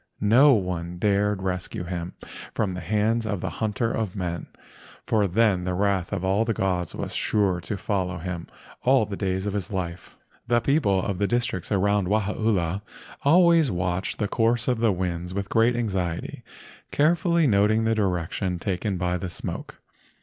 No one dared rescue him from the hands of the hunter of men—for then the wrath of all the gods was sure to follow him all the days of his life. The people of the districts around Wahaula always watched the course of the winds with great anxiety, carefully noting the direction taken by the smoke.